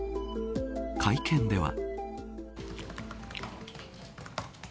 会見では。